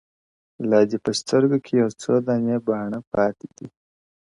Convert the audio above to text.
لا دې په سترگو کي يو څو دانې باڼه پاتې دي”